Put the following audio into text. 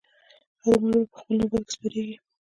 هرو مرو به په خپل نوبت کې سپریږي.